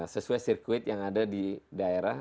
sesuai sirkuit yang ada di daerah